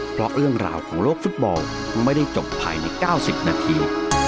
เพราะเรื่องราวของโลกฟุตบอลไม่ได้จบภายใน๙๐นาที